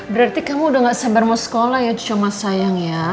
berarti kamu udah gak sabar mau sekolah ya cuma sayang ya